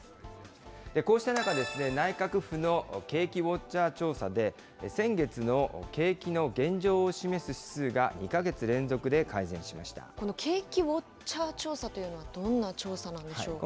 こうした中、内閣府の景気ウォッチャー調査で、先月の景気の現状を示す指数が２か月連続で改善しこの景気ウォッチャー調査というのは、どんな調査なんでしょうか。